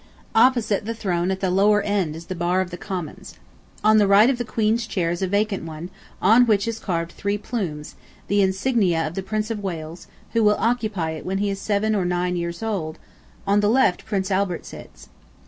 Opposite the throne at the lower end is the Bar of the Commons. On the right of the Queen's chair is a vacant one, on which is carved the three plumes, the insignia of the Prince of Wales, who will occupy it when he is seven or nine years old; on the left Prince Albert sits.